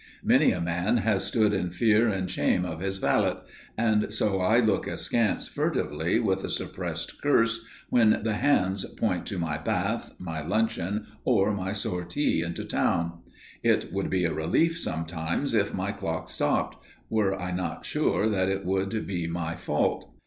Many a man has stood in fear and shame of his valet, and so I look askance furtively with a suppressed curse when the hands point to my bath, my luncheon, or my sortie into town. It would be a relief, sometimes, if my clock stopped, were I not sure that it would be my fault.